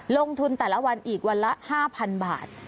ลงทุนแต่ละวันอีกวันละ๕๐๐๐บาท